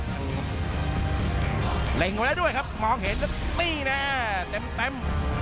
เร่งไปไว้นะครับมองเห็นแล้วก็เนี่ยแท่ม